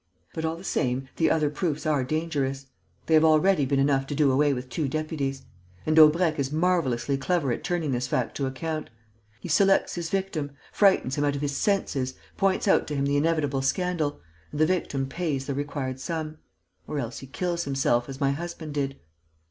But, all the same, the other proofs are dangerous. They have already been enough to do away with two deputies. And Daubrecq is marvelously clever at turning this fact to account. He selects his victim, frightens him out of his senses, points out to him the inevitable scandal; and the victim pays the required sum. Or else he kills himself, as my husband did.